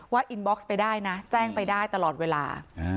อินบ็อกซ์ไปได้นะแจ้งไปได้ตลอดเวลา